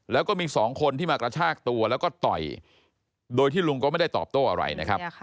แล้วก็มีสองคนที่มากระชากตัวแล้วก็ต่อยโดยที่ลุงก็ไม่ได้ตอบโต้อะไรนะครับ